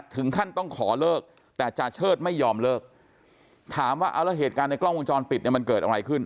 ถึงขั้นต้องขอเลิกแต่จาเชิดไม่ยอมเลิกถามว่าเอาแล้วเหตุการณ์ในกล้องวงจรปิดเนี่ยมันเกิดอะไรขึ้น